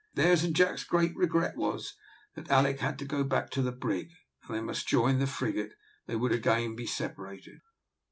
Theirs and Jack's great regret was, that as Alick had to go back to the brig, and they must join the frigate, they would again be separated.